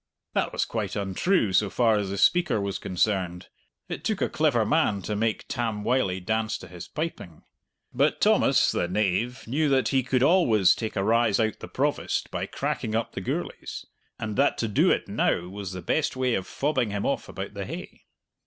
That was quite untrue so far as the speaker was concerned. It took a clever man to make Tam Wylie dance to his piping. But Thomas, the knave, knew that he could always take a rise out the Provost by cracking up the Gourlays, and that to do it now was the best way of fobbing him off about the hay.